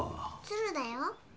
鶴だよ。